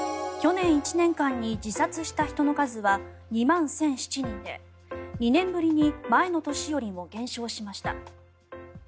去年１年間に自殺した人の数は２万１００７人で２年ぶりに前の年よりも減少しました。